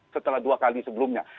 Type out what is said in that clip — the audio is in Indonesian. setelah dua kali sebelumnya